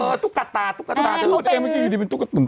เออตุ๊กกะตาตุ๊กกะตา